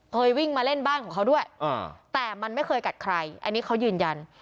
วิ่งมาเล่นบ้านของเขาด้วยแต่มันไม่เคยกัดใครอันนี้เขายืนยัน